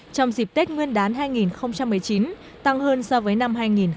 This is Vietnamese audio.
trong dịp tết nguyên đán hai nghìn một mươi chín tăng hơn so với năm hai nghìn một mươi tám